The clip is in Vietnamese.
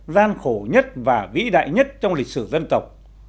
gian khổ nhất và vĩ đại nhất trong lịch sử dân tộc